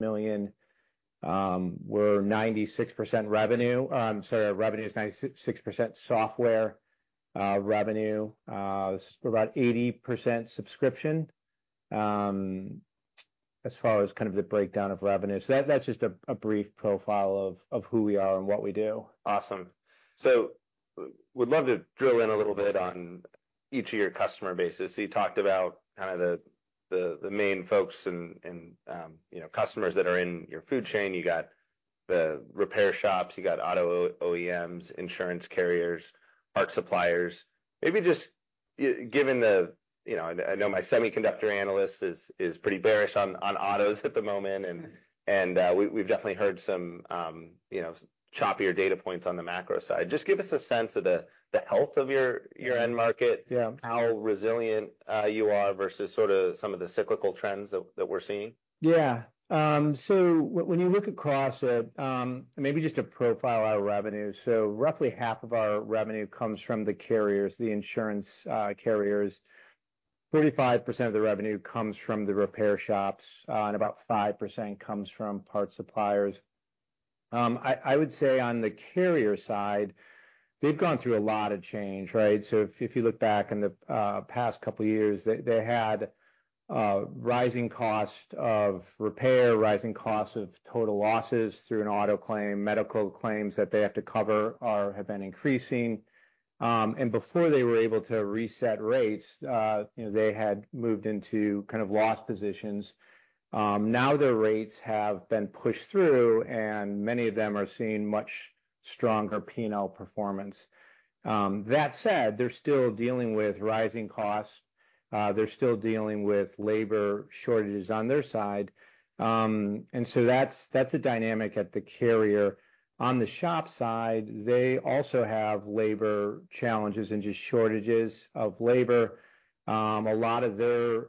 million, we're 96% revenue. So our revenue is 96% software revenue, about 80% subscription, as far as kind of the breakdown of revenue. So that, that's just a brief profile of who we are and what we do. Awesome. So would love to drill in a little bit on each of your customer bases. So you talked about kind of the main folks and you know, customers that are in your food chain. You got the repair shops, you got auto OEMs, insurance carriers, parts suppliers. Maybe just given the... You know, I know my semiconductor analyst is pretty bearish on autos at the moment. We've definitely heard some, you know, choppier data points on the macro side. Just give us a sense of the health of your end market? Yeah How resilient you are versus sort of some of the cyclical trends that we're seeing. Yeah. So when you look across it, maybe just to profile our revenue. So roughly half of our revenue comes from the carriers, the insurance carriers. 35% of the revenue comes from the repair shops, and about 5% comes from parts suppliers. I would say on the carrier side, they've gone through a lot of change, right? So if you look back in the past couple of years, they had rising cost of repair, rising costs of total losses through an auto claim, medical claims that they have to cover have been increasing. And before they were able to reset rates, you know, they had moved into kind of loss positions. Now their rates have been pushed through, and many of them are seeing much stronger P&L performance. That said, they're still dealing with rising costs, they're still dealing with labor shortages on their side. So that's the dynamic at the carrier. On the shop side, they also have labor challenges and just shortages of labor. A lot of their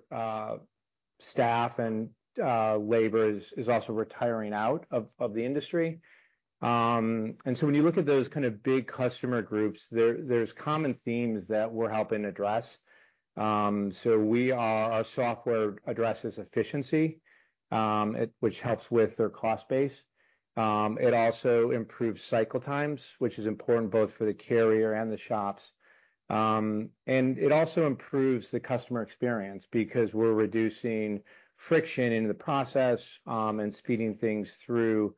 staff and labor is also retiring out of the industry. So when you look at those kind of big customer groups, there's common themes that we're helping address. Our software addresses efficiency, which helps with their cost base. It also improves cycle times, which is important both for the carrier and the shops. And it also improves the customer experience because we're reducing friction in the process, and speeding things through,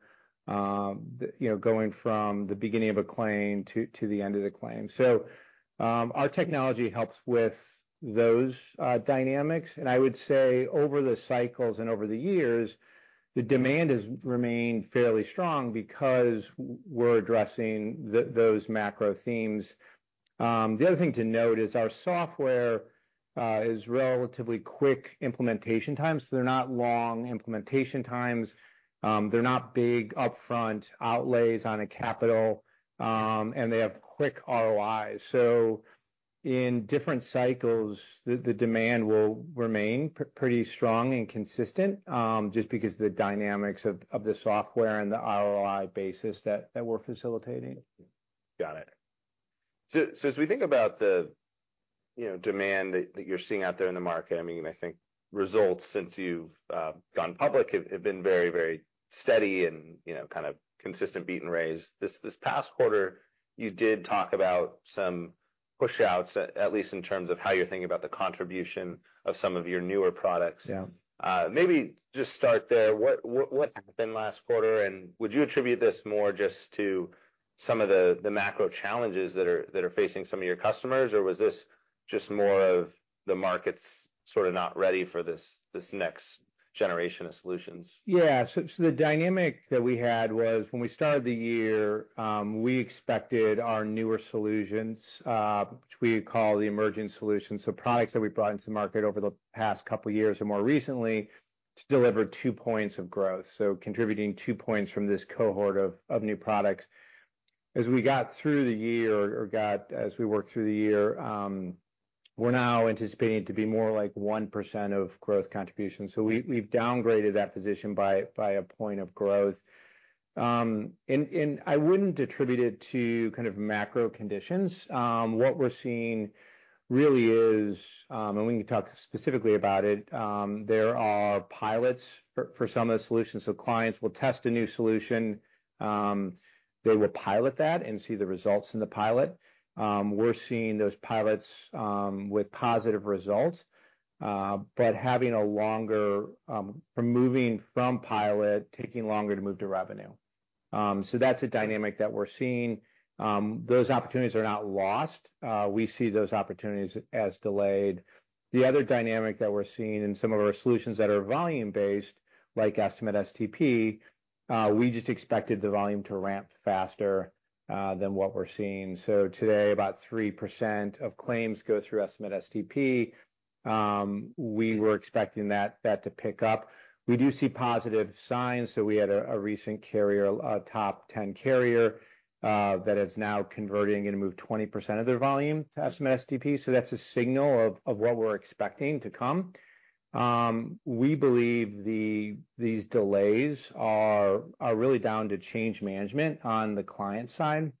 you know, going from the beginning of a claim to the end of the claim. So, our technology helps with those dynamics, and I would say over the cycles and over the years, the demand has remained fairly strong because we're addressing those macro themes. The other thing to note is our software is relatively quick implementation times. They're not long implementation times, they're not big upfront outlays on a capital, and they have quick ROIs. So in different cycles, the demand will remain pretty strong and consistent, just because the dynamics of the software and the ROI basis that we're facilitating. Got it, so as we think about the, you know, demand that you're seeing out there in the market, I mean, I think results since you've gone public have been very steady and, you know, kind of consistent beat and raise. This past quarter, you did talk about some pushouts, at least in terms of how you're thinking about the contribution of some of your newer products. Yeah. Maybe just start there. What happened last quarter, and would you attribute this more just to some of the macro challenges that are facing some of your customers? Or was this just more of the market's sort of not ready for this next generation of solutions? Yeah. So, so the dynamic that we had was when we started the year, we expected our newer solutions, which we call the Emerging Solutions, so products that we brought into the market over the past couple of years or more recently, to deliver two points of growth, so contributing two points from this cohort of new products. As we worked through the year, we're now anticipating to be more like 1% of growth contribution. So we, we've downgraded that position by a point of growth. And I wouldn't attribute it to kind of macro conditions. What we're seeing really is, and we can talk specifically about it, there are pilots for some of the solutions, so clients will test a new solution, they will pilot that and see the results in the pilot. We're seeing those pilots with positive results, but having a longer from moving from pilot, taking longer to move to revenue. So that's a dynamic that we're seeing. Those opportunities are not lost, we see those opportunities as delayed. The other dynamic that we're seeing in some of our solutions that are volume-based, like Estimate STP, we just expected the volume to ramp faster than what we're seeing. So today, about 3% of claims go through Estimate STP. We were expecting that to pick up. We do see positive signs. So we had a recent carrier, a top ten carrier, that is now converting and move 20% of their volume to Estimate STP, so that's a signal of what we're expecting to come. We believe these delays are really down to change management on the client side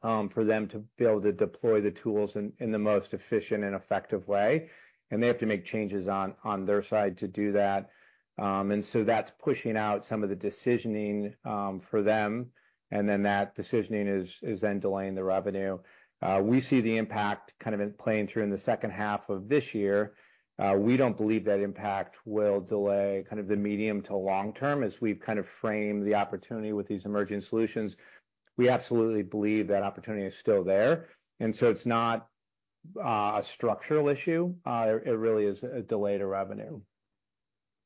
for them to be able to deploy the tools in the most efficient and effective way, and they have to make changes on their side to do that. And so that's pushing out some of the decisioning for them, and then that decisioning is then delaying the revenue. We see the impact kind of in playing through in the second half of this year. We don't believe that impact will delay kind of the medium to long term, as we've kind of framed the opportunity with these Emerging Solutions. We absolutely believe that opportunity is still there, and so it's not a structural issue, it really is a delay to revenue.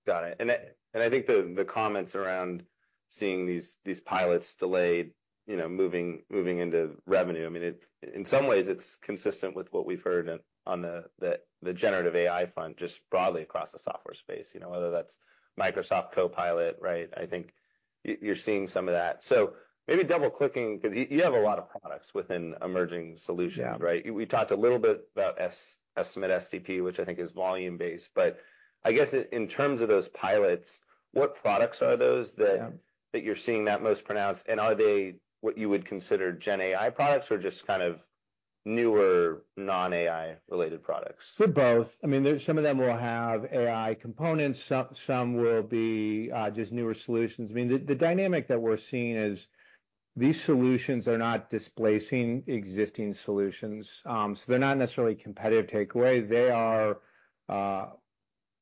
Got it. And I think the comments around seeing these pilots delayed, you know, moving into revenue, I mean, it- in some ways, it's consistent with what we've heard on the generative AI front, just broadly across the software space, you know, whether that's Microsoft Copilot, right? I think you're seeing some of that. So maybe double-clicking, 'cause you have a lot of products within Emerging Solutions right? We talked a little bit about CCC Estimate STP, which I think is volume-based, but I guess in terms of those pilots, what products are those that- Yeah... that you're seeing that most pronounced, and are they what you would consider gen AI products, or just kind of newer, non-AI related products? They're both. I mean, there's some of them will have AI components, some will be just newer solutions. I mean, the dynamic that we're seeing is these solutions are not displacing existing solutions. So they're not necessarily competitive takeaway. They are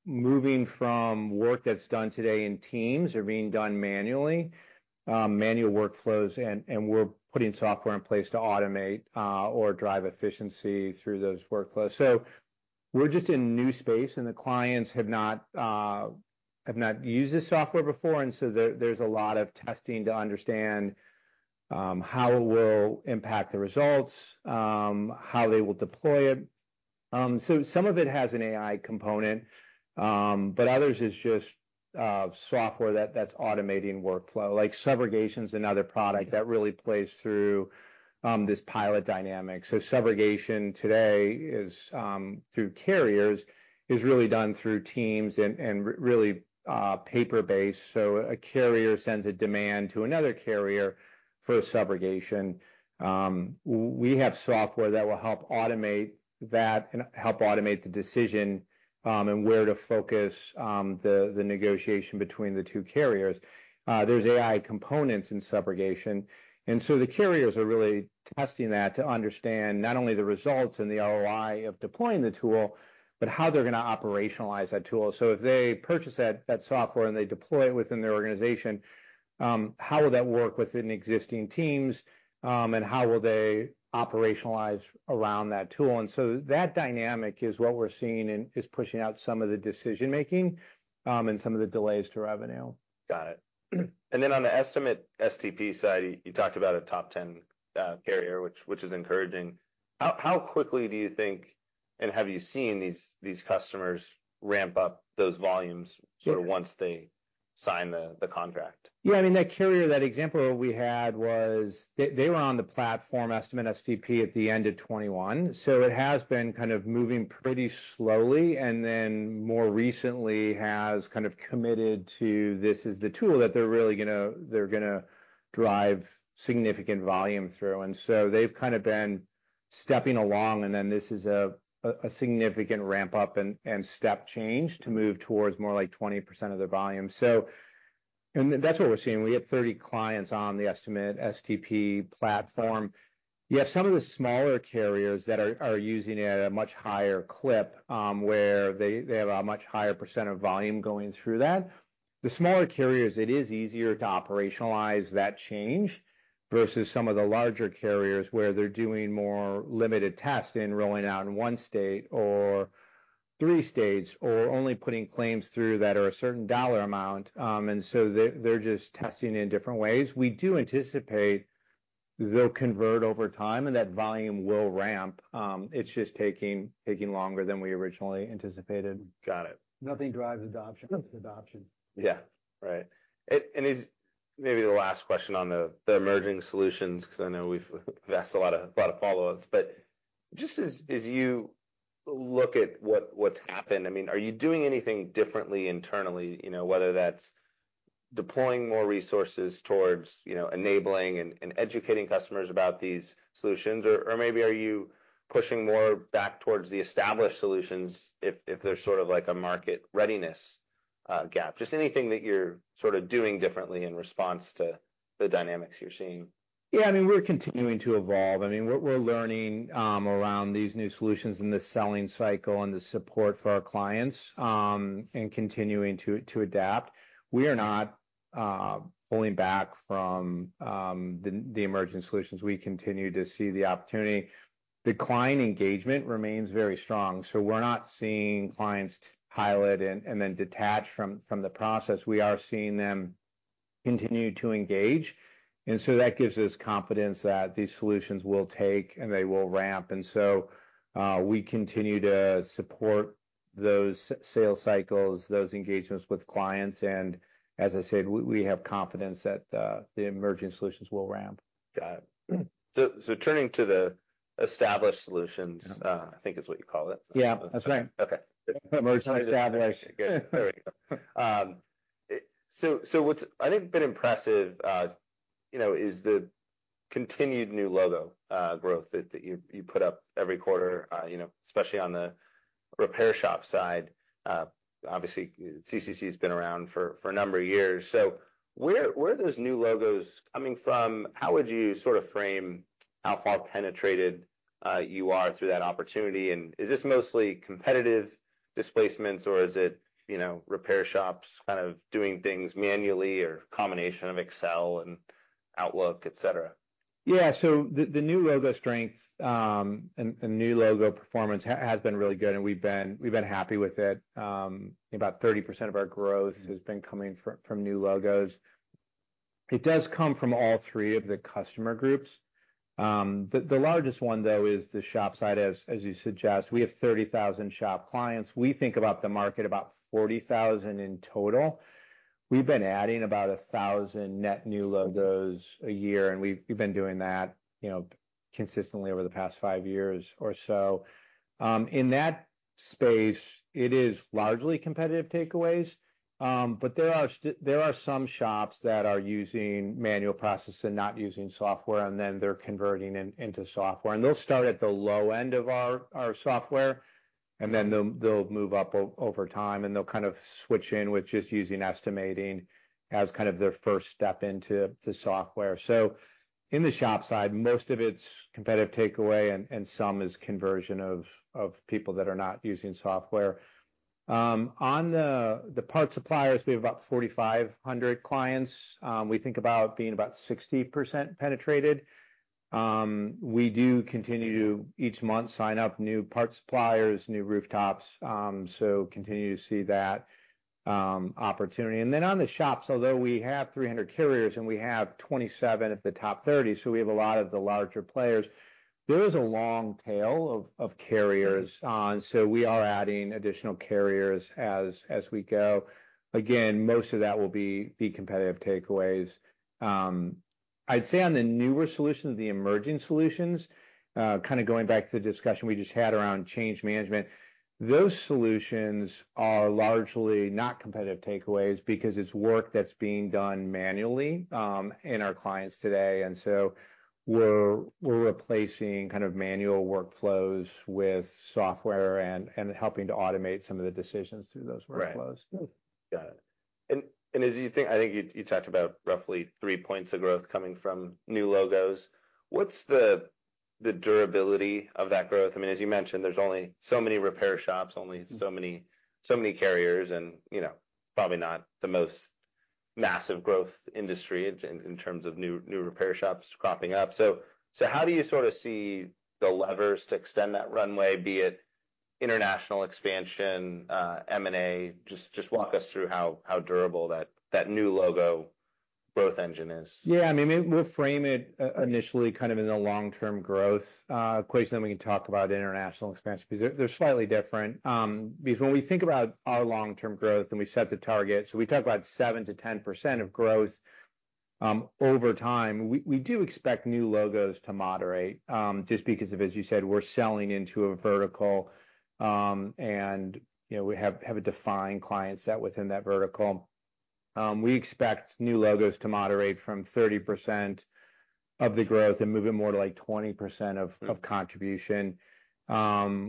moving from work that's done today, and tasks are being done manually, manual workflows, and we're putting software in place to automate or drive efficiency through those workflows. So we're just in new space, and the clients have not used this software before, and so there's a lot of testing to understand how it will impact the results, how they will deploy it. So some of it has an AI component, but others is just software that's automating workflow, like subrogation's another product that really plays through this pilot dynamic. So subrogation today is through carriers is really done through teams and really paper-based. So a carrier sends a demand to another carrier for a subrogation. We have software that will help automate that and help automate the decision and where to focus the negotiation between the two carriers. There's AI components in subrogation, and so the carriers are really testing that to understand not only the results and the ROI of deploying the tool, but how they're gonna operationalize that tool. So if they purchase that software and they deploy it within their organization, how will that work within existing teams and how will they operationalize around that tool? And so that dynamic is what we're seeing and is pushing out some of the decision-making and some of the delays to revenue. Got it. And then on the Estimate STP side, you talked about a top ten carrier, which is encouraging. How quickly do you think, and have you seen these customers ramp up those volumes sort of once they sign the contract? Yeah, I mean, that carrier, that example we had was they were on the platform Estimate STP at the end of 2021, so it has been kind of moving pretty slowly and then more recently has kind of committed to this is the tool that they're really gonna drive significant volume through. And so they've kind of been stepping along, and then this is a significant ramp up and step change to move towards more like 20% of their volume. So, and that's what we're seeing. We have 30 clients on the Estimate STP platform. You have some of the smaller carriers that are using it at a much higher clip, where they have a much higher percent of volume going through that. The smaller carriers, it is easier to operationalize that change versus some of the larger carriers, where they're doing more limited tests in rolling out in one state or three states, or only putting claims through that are a certain dollar amount. And so they're just testing in different ways. We do anticipate they'll convert over time, and that volume will ramp. It's just taking longer than we originally anticipated. Got it. Nothing drives adoption. Adoption. Yeah, right. And is maybe the last question on the Emerging Solutions, 'cause I know we've asked a lot of follow-ups. But just as you look at what's happened, I mean, are you doing anything differently internally? You know, whether that's deploying more resources towards, you know, enabling and educating customers about these solutions. Or maybe are you pushing more back towards the Established Solutions if there's sort of like a market readiness gap? Just anything that you're sort of doing differently in response to the dynamics you're seeing. Yeah, I mean, we're continuing to evolve. I mean, we're learning around these new solutions and the selling cycle and the support for our clients, and continuing to adapt. We are not pulling back from the Emerging Solutions. We continue to see the opportunity. The client engagement remains very strong, so we're not seeing clients pilot and then detach from the process. We are seeing them continue to engage, and so that gives us confidence that these solutions will take, and they will ramp, and so we continue to support those sales cycles, those engagements with clients, and as I said, we have confidence that the Emerging Solutions will ramp. Got it. Mm-hmm. So, turning to the Established Solutions I think is what you called it. Yeah, that's right. Okay. Emerging, established. Good. There we go. So what's, I think, been impressive, you know, is the continued new logo growth that you put up every quarter, you know, especially on the repair shop side. Obviously, CCC has been around for a number of years. So where are those new logos coming from? How would you sort of frame how far penetrated you are through that opportunity? And is this mostly competitive displacements, or is it, you know, repair shops kind of doing things manually, or a combination of Excel and Outlook, et cetera? Yeah. So the new logo strength and new logo performance has been really good, and we've been happy with it. About 30% of our growth has been coming from new logos. It does come from all three of the customer groups. The largest one, though, is the shop side, as you suggest. We have 30,000 shop clients. We think about the market, about 40,000 in total. We've been adding about 1,000 net new logos a year, and we've been doing that, you know, consistently over the past five years or so. In that space, it is largely competitive takeaways. But there are some shops that are using manual processes and not using software, and then they're converting into software, and they'll start at the low end of our software, and then they'll move up over time, and they'll kind of switch in with just using estimating as kind of their first step into the software. So in the shop side, most of it's competitive takeaway and some is conversion of people that are not using software. On the part suppliers, we have about 4,500 clients. We think about being about 60% penetrated. We do continue to each month sign up new part suppliers, new rooftops, so continue to see that opportunity. Then on the shops, although we have 300 carriers, and we have 27 of the top 30, so we have a lot of the larger players, there is a long tail of carriers, so we are adding additional carriers as we go. Again, most of that will be competitive takeaways. I'd say on the newer solutions, the Emerging Solutions, kind of going back to the discussion we just had around change management, those solutions are largely not competitive takeaways because it's work that's being done manually in our clients today. So we're replacing kind of manual workflows with software and helping to automate some of the decisions through those workflows. Right. Got it. And as you think, I think you talked about roughly three points of growth coming from new logos. What's the durability of that growth? I mean, as you mentioned, there's only so many repair shops, only so many carriers, and you know, probably not the most massive growth industry in terms of new repair shops cropping up. So how do you sort of see the levers to extend that runway, be it international expansion, M&A? Just walk us through how durable that new logo growth engine is. Yeah, I mean, we'll frame it initially kind of in a long-term growth equation, then we can talk about international expansion, because they're slightly different. Because when we think about our long-term growth and we set the target, so we talk about 7-10% of growth over time. We do expect new logos to moderate just because of, as you said, we're selling into a vertical. And you know, we have a defined client set within that vertical. We expect new logos to moderate from 30% of the growth and move it more to, like, 20% of contribution.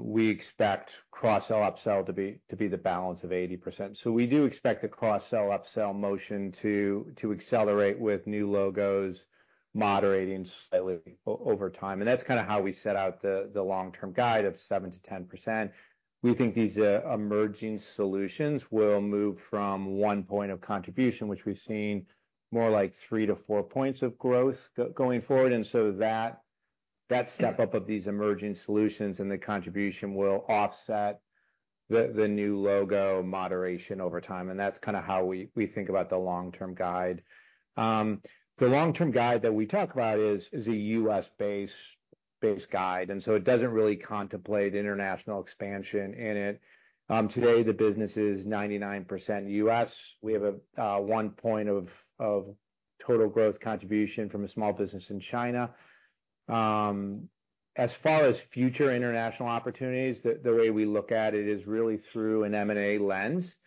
We expect cross-sell, upsell to be the balance of 80%. So we do expect the cross-sell, upsell motion to accelerate with new logos moderating slightly over time, and that's kind of how we set out the long-term guide of 7%-10%. We think these Emerging Solutions will move from one point of contribution, which we've seen more like three to four points of growth going forward, and so that step up of these Emerging Solutions and the contribution will offset the new logo moderation over time, and that's kind of how we think about the long-term guide. The long-term guide that we talk about is a U.S.-based guide, and so it doesn't really contemplate international expansion in it. Today, the business is 99% U.S. We have a one point of total growth contribution from a small business in China. As far as future international opportunities, the way we look at it is really through an M&A lens.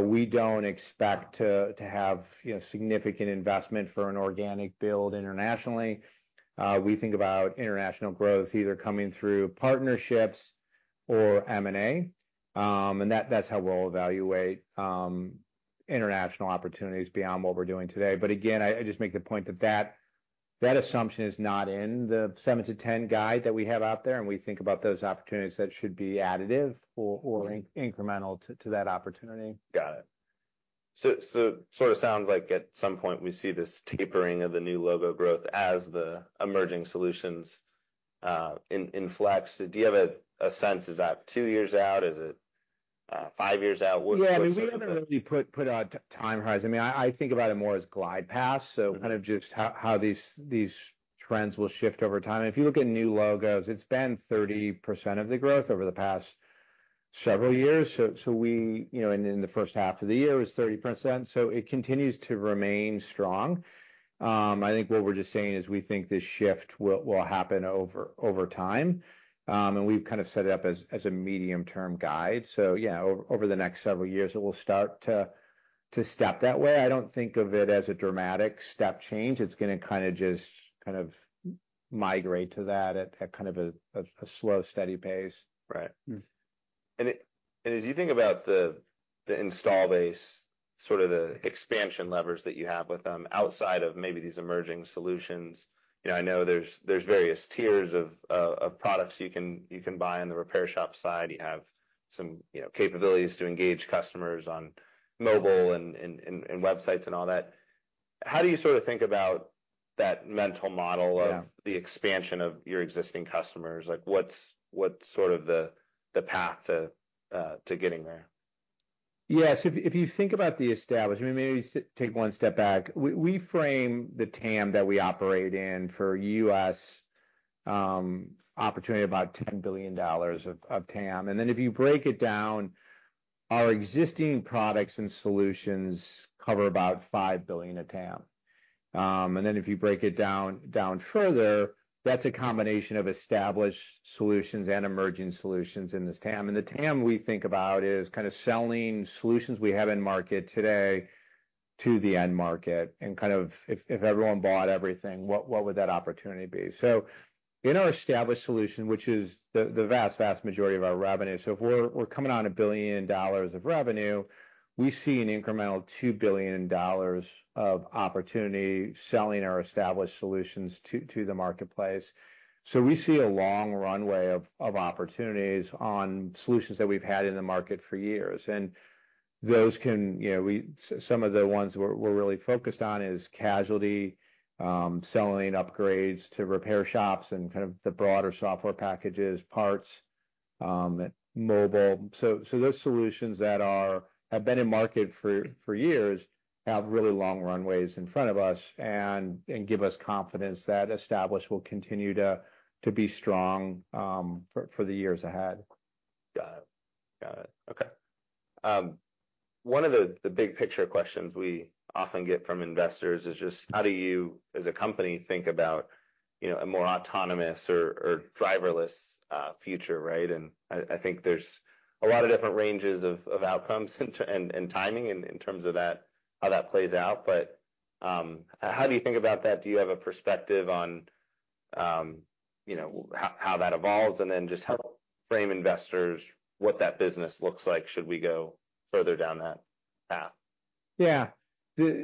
We don't expect to have, you know, significant investment for an organic build internationally. We think about international growth either coming through partnerships or M&A, and that's how we'll evaluate international opportunities beyond what we're doing today. But again, I just make the point that that assumption is not in the seven to 10 guide that we have out there, and we think about those opportunities that should be additive or incremental to that opportunity. Got it. So sort of sounds like at some point we see this tapering of the new logo growth as the Emerging Solutions inflect. Do you have a sense, is that two years out? Is it five years out? What's the- Yeah, I mean, we haven't really put out time horizons. I mean, I think about it more as glide path, so kind of just how these trends will shift over time. And if you look at new logos, it's been 30% of the growth over the past several years, so we... you know, in the first half of the year, it was 30%, so it continues to remain strong. I think what we're just saying is we think this shift will happen over time. And we've kind of set it up as a medium-term guide. So yeah, over the next several years, it will start to step that way. I don't think of it as a dramatic step change. It's gonna kind of just kind of migrate to that at a kind of slow, steady pace. Right. As you think about the install base, sort of the expansion levers that you have with them, outside of maybe these Emerging Solutions, you know, I know there's various tiers of products you can buy on the repair shop side. You have some, you know, capabilities to engage customers on mobile and websites and all that. How do you sort of think about that mental model of the expansion of your existing customers? Like, what's sort of the path to getting there? Yes, if you think about the establishment, maybe take one step back. We frame the TAM that we operate in for U.S. opportunity, about $10 billion of TAM. And then if you break it down, our existing products and solutions cover about $5 billion of TAM. And then if you break it down further, that's a combination of Established Solutions and Emerging Solutions in this TAM. And the TAM we think about is kind of selling solutions we have in market today to the end market, and kind of if everyone bought everything, what would that opportunity be? So in our established solution, which is the vast majority of our revenue, so if we're coming on $1 billion of revenue, we see an incremental $2 billion of opportunity selling our Established Solutions to the marketplace. So we see a long runway of opportunities on solutions that we've had in the market for years. And those can. You know, some of the ones we're really focused on is casualty, selling upgrades to repair shops and kind of the broader software packages, parts, mobile. So those solutions that have been in market for years have really long runways in front of us and give us confidence that established will continue to be strong for the years ahead. Got it. Got it. Okay. One of the big picture questions we often get from investors is just how do you, as a company, think about, you know, a more autonomous or driverless future, right? And I think there's a lot of different ranges of outcomes and timing in terms of that, how that plays out. But how do you think about that? Do you have a perspective on, you know, how that evolves? And then just help frame investors what that business looks like, should we go further down that path. Yeah.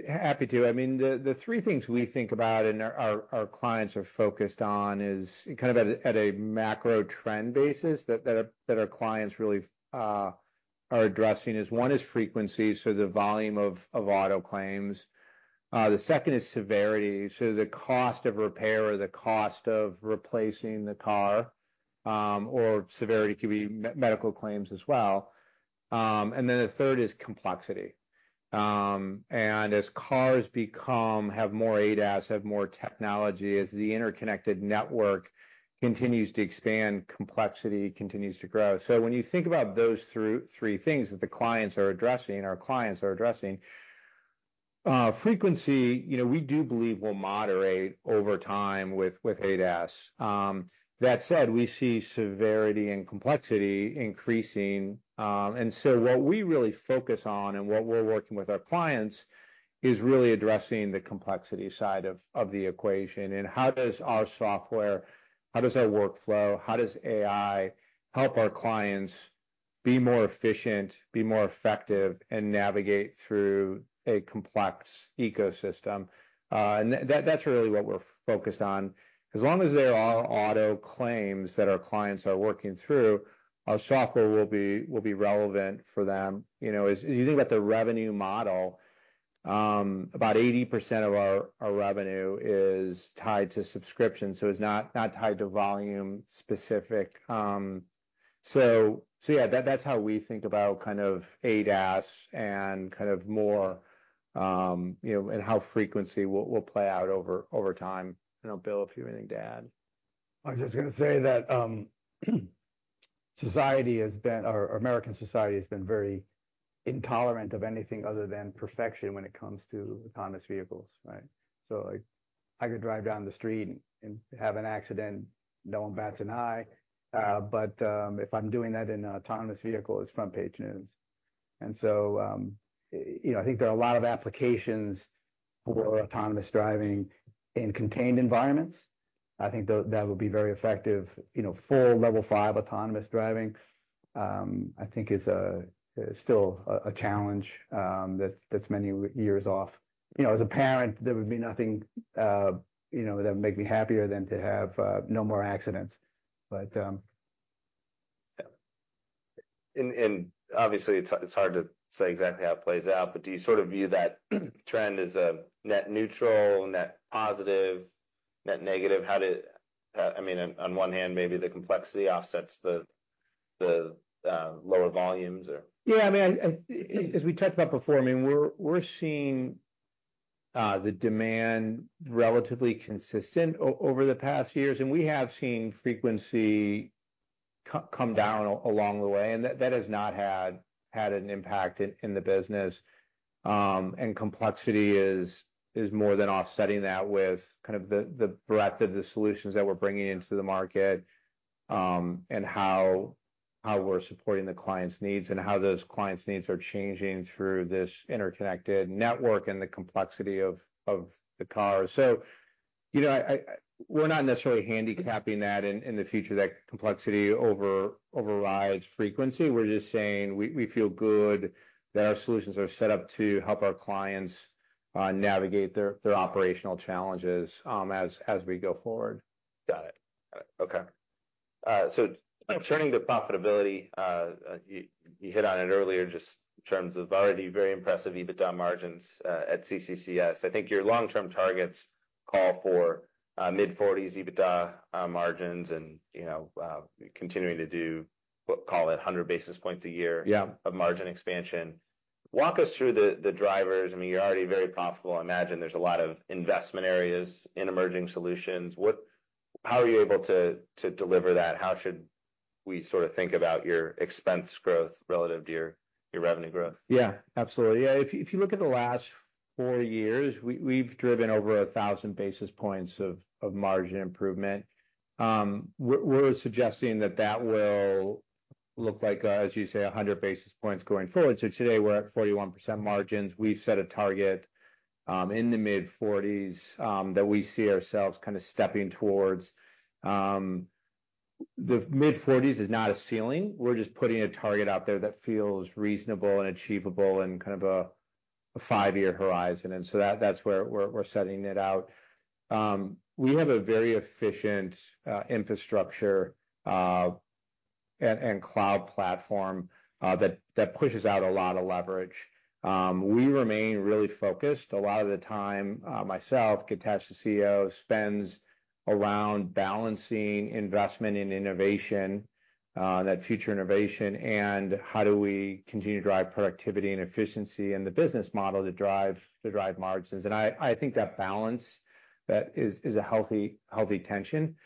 Happy to. I mean, the three things we think about and our clients are focused on is kind of at a macro trend basis that our clients really are addressing is, one is frequency, so the volume of auto claims. The second is severity, so the cost of repair or the cost of replacing the car, or severity could be medical claims as well. And then the third is complexity. And as cars become have more ADAS, have more technology, as the interconnected network continues to expand, complexity continues to grow. So when you think about those three things that the clients are addressing, our clients are addressing, frequency, you know, we do believe will moderate over time with ADAS. That said, we see severity and complexity increasing. And so what we really focus on, and what we're working with our clients, is really addressing the complexity side of the equation and how does our software, how does our workflow, how does AI help our clients be more efficient, be more effective, and navigate through a complex ecosystem? And that, that's really what we're focused on. As long as there are auto claims that our clients are working through, our software will be relevant for them. You know, as you think about the revenue model, about 80% of our revenue is tied to subscriptions, so it's not tied to volume specific. So yeah, that's how we think about kind of ADAS and kind of more, you know, and how frequency will play out over time. You know, Bill, if you have anything to add. I was just gonna say that, society has been, or American society has been very intolerant of anything other than perfection when it comes to autonomous vehicles, right? So, like, I could drive down the street and have an accident, no one bats an eye. But, if I'm doing that in an autonomous vehicle, it's front-page news. And so, you know, I think there are a lot of applications for autonomous driving in contained environments. I think that would be very effective. You know, full Level 5 autonomous driving, I think is still a challenge, that's many years off. You know, as a parent, there would be nothing, you know, that would make me happier than to have no more accidents, but Yeah. And obviously, it's hard to say exactly how it plays out, but do you sort of view that trend as a net neutral, net positive, net negative? How did... I mean, on one hand, maybe the complexity offsets the lower volumes or? Yeah, I mean, as we talked about before, I mean, we're seeing the demand relatively consistent over the past years, and we have seen frequency come down along the way, and that has not had an impact in the business. And complexity is more than offsetting that with kind of the breadth of the solutions that we're bringing into the market, and how we're supporting the client's needs, and how those clients' needs are changing through this interconnected network and the complexity of the car. So, you know, we're not necessarily handicapping that in the future, that complexity overrides frequency. We're just saying we feel good that our solutions are set up to help our clients navigate their operational challenges as we go forward. Got it. Got it. Okay. So turning to profitability, you hit on it earlier just in terms of already very impressive EBITDA margins at CCCS. I think your long-term targets call for mid-forties EBITDA margins and, you know, continuing to do, we'll call it 100 basis points a year. Yeah Of margin expansion. Walk us through the drivers. I mean, you're already very profitable. I imagine there's a lot of investment areas in Emerging Solutions. How are you able to deliver that? How should we sort of think about your expense growth relative to your revenue growth? Yeah, absolutely. Yeah, if you look at the last four years, we've driven over 1000 basis points of margin improvement. We're suggesting that will look like, as you say, 100 basis points going forward. So today, we're at 41% margins. We've set a target in the mid-forties that we see ourselves kind of stepping towards. The mid-forties is not a ceiling. We're just putting a target out there that feels reasonable and achievable and kind of a five-year horizon. And so that's where we're setting it out. We have a very efficient infrastructure and cloud platform that pushes out a lot of leverage. We remain really focused. A lot of the time, myself, Tesh, CEO, spends around balancing investment in innovation, that future innovation, and how do we continue to drive productivity and efficiency in the business model to drive margins, and I think that balance is a healthy tension.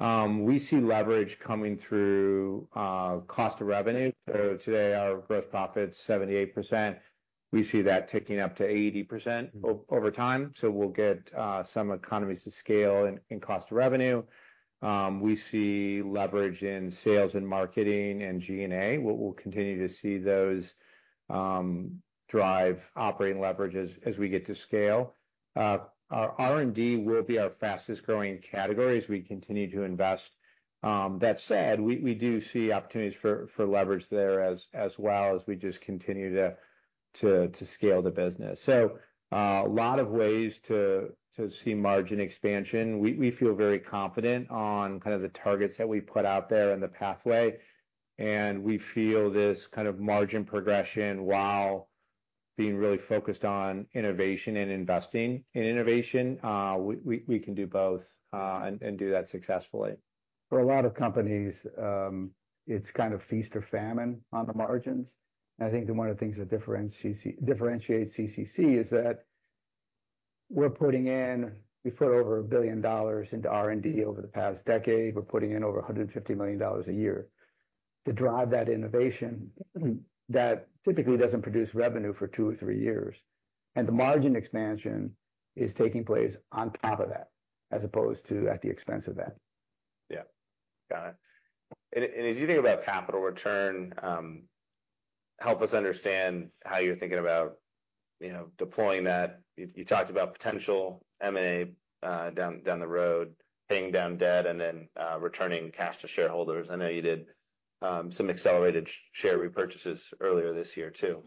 We see leverage coming through cost of revenue. So today, our gross profit's 78%. We see that ticking up to 80% over time, so we'll get some economies of scale in cost of revenue. We see leverage in sales and marketing and G&A. We'll continue to see those drive operating leverage as we get to scale. Our R&D will be our fastest growing category as we continue to invest. That said, we do see opportunities for leverage there as well, as we just continue to scale the business. So, a lot of ways to see margin expansion. We feel very confident on kind of the targets that we put out there and the pathway, and we feel this kind of margin progression while being really focused on innovation and investing in innovation. We can do both, and do that successfully. For a lot of companies, it's kind of feast or famine on the margins, and I think that one of the things that differentiates CCC is that we're putting in we put over $1 billion into R&D over the past decade. We're putting in over $150 million a year to drive that innovation, that typically doesn't produce revenue for two or three years, and the margin expansion is taking place on top of that, as opposed to at the expense of that. Yeah, got it. And as you think about capital return, help us understand how you're thinking about, you know, deploying that. You talked about potential M&A down the road, paying down debt, and then returning cash to shareholders. I know you did some accelerated share repurchases earlier this year, too.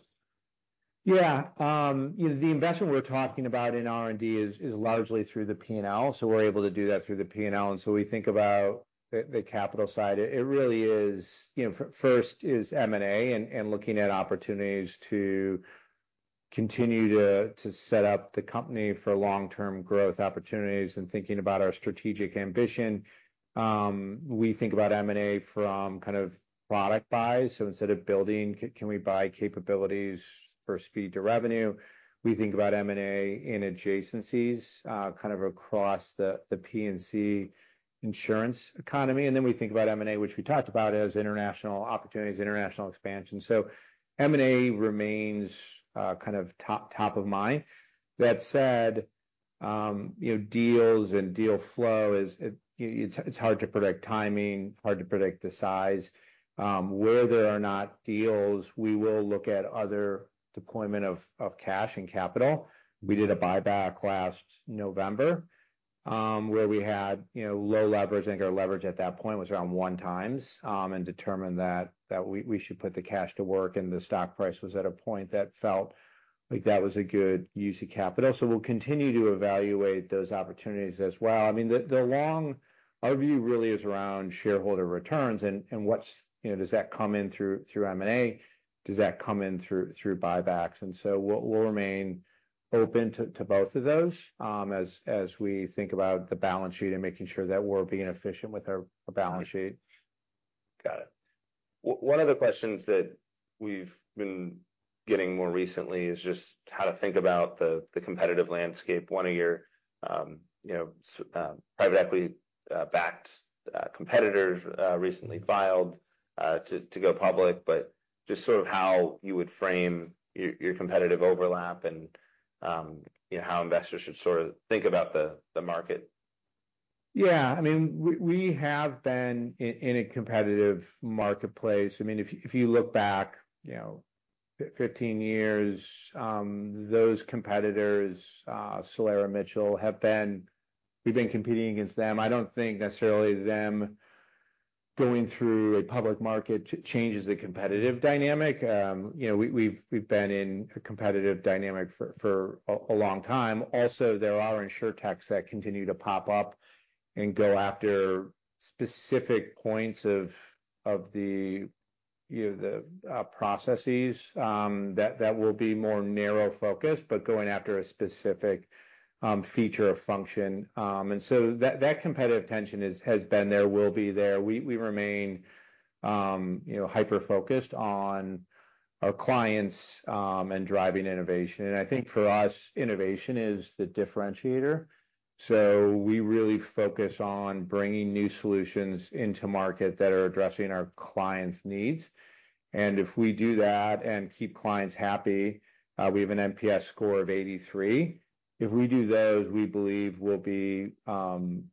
Yeah, you know, the investment we're talking about in R&D is largely through the P&L, so we're able to do that through the P&L. And so we think about the capital side. It really is, you know, first is M&A and looking at opportunities to continue to set up the company for long-term growth opportunities and thinking about our strategic ambition. We think about M&A from kind of product buys, so instead of building, can we buy capabilities for speed to revenue? We think about M&A in adjacencies, kind of across the P&C insurance economy. And then we think about M&A, which we talked about as international opportunities, international expansion. So M&A remains kind of top of mind. That said, you know, deals and deal flow is, it's hard to predict timing, hard to predict the size. Where there are not deals, we will look at other deployment of cash and capital. We did a buyback last November, where we had, you know, low leverage, and our leverage at that point was around one times, and determined that we should put the cash to work, and the stock price was at a point that felt like that was a good use of capital. So we'll continue to evaluate those opportunities as well. I mean, our view really is around shareholder returns and what's you know, does that come in through M&A? Does that come in through buybacks? So we'll remain open to both of those, as we think about the balance sheet and making sure that we're being efficient with our balance sheet. Got it. One of the questions that we've been getting more recently is just how to think about the competitive landscape. One of your, you know, some private equity backed competitor recently filed to go public, but just sort of how you would frame your competitive overlap and, you know, how investors should sort of think about the market? Yeah. I mean, we have been in a competitive marketplace. I mean, if you look back, you know, fifteen years, those competitors, Solera, Mitchell, have been. We've been competing against them. I don't think necessarily them going through a public market changes the competitive dynamic. You know, we've been in a competitive dynamic for a long time. Also, there are Insurtechs that continue to pop up and go after specific points of the, you know, the processes that will be more narrow focused, but going after a specific feature or function. And so that competitive tension has been there, will be there. We remain, you know, hyper-focused on our clients and driving innovation. And I think for us, innovation is the differentiator. So we really focus on bringing new solutions into market that are addressing our clients' needs. And if we do that and keep clients happy, we have an NPS score of 83. If we do those, we believe we'll be in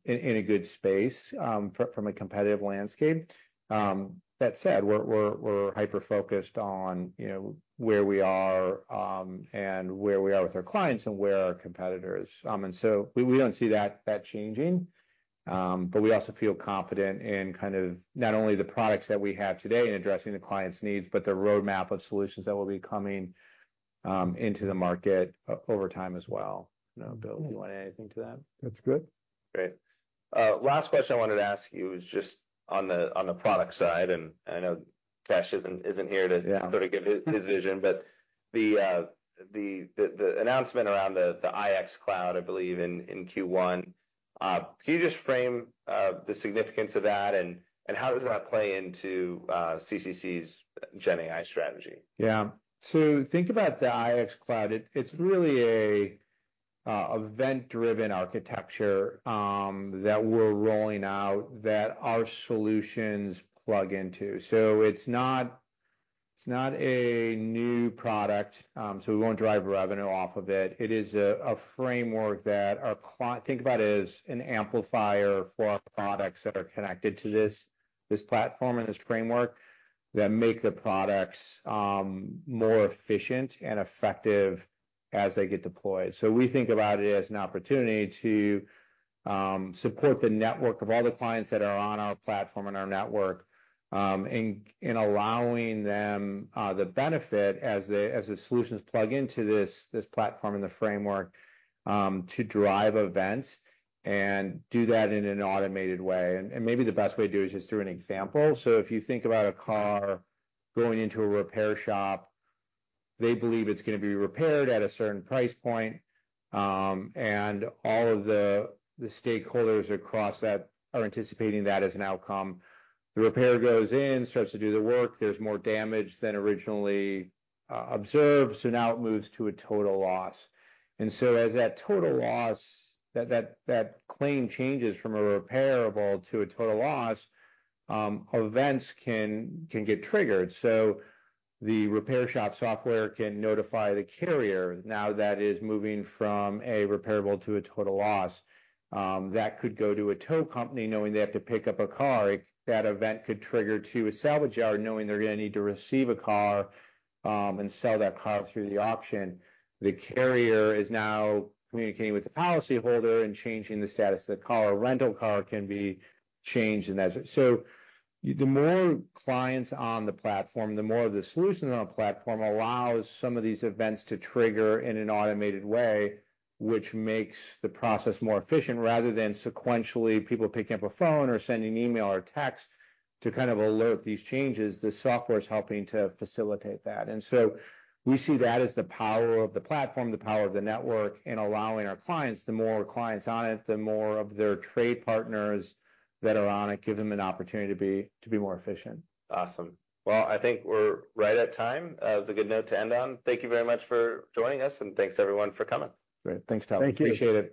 a good space from a competitive landscape. That said, we're hyper-focused on, you know, where we are and where we are with our clients and where are our competitors. And so we don't see that changing. But we also feel confident in kind of not only the products that we have today in addressing the client's needs, but the roadmap of solutions that will be coming into the market over time as well. You know, Bill, do you want to add anything to that? That's good. Great. Last question I wanted to ask you is just on the product side, and I know Tesh isn't here to sort of give his vision. But the announcement around the IX Cloud, I believe in Q1, can you just frame the significance of that and how does that play into CCC's GenAI strategy? Yeah. So think about the IX Cloud. It's really a event-driven architecture that we're rolling out that our solutions plug into. So it's not a new product, so we won't drive revenue off of it. It is a framework that our clients—think about it as an amplifier for our products that are connected to this platform and this framework, that make the products more efficient and effective as they get deployed. So we think about it as an opportunity to support the network of all the clients that are on our platform and our network, in allowing them the benefit as the solutions plug into this platform and the framework, to drive events and do that in an automated way. Maybe the best way to do it is just through an example. So if you think about a car going into a repair shop, they believe it's gonna be repaired at a certain price point, and all of the stakeholders across that are anticipating that as an outcome. The repairer goes in, starts to do the work, there's more damage than originally observed, so now it moves to a total loss. And so as that total loss, that claim changes from a repairable to a total loss, events can get triggered. So the repair shop software can notify the carrier now that is moving from a repairable to a total loss. That could go to a tow company knowing they have to pick up a car. That event could trigger to a salvage yard, knowing they're gonna need to receive a car, and sell that car through the auction. The carrier is now communicating with the policyholder and changing the status of the car, or rental car can be changed, and that. So the more clients on the platform, the more of the solutions on the platform allows some of these events to trigger in an automated way, which makes the process more efficient, rather than sequentially, people picking up a phone or sending an email or text to kind of alert these changes. The software is helping to facilitate that. And so we see that as the power of the platform, the power of the network in allowing our clients, the more clients on it, the more of their trade partners that are on it, give them an opportunity to be more efficient. Awesome. Well, I think we're right at time. That's a good note to end on. Thank you very much for joining us, and thanks, everyone, for coming. Great. Thanks, Tom. Thank you. Appreciate it.